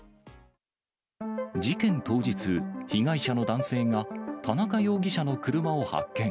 事件当日、被害者の男性が田中容疑者の車を発見。